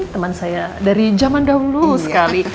teman saya dari zaman dahulu sekali